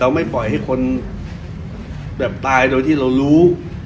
ไม่ปล่อยให้คนแบบตายโดยที่เรารู้